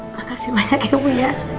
makasih banyak ya bu ya